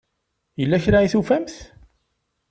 Yella kra i tufamt?